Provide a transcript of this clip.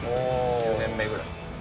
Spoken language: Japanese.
１０年目ぐらい。